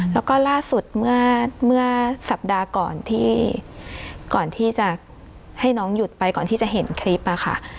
แล้วก็ล่าสุดเมื่อสัปดาห์ก่อนที่ก่อนที่จะให้น้องหยุดไปก่อนที่จะเห็นคลิปค่ะ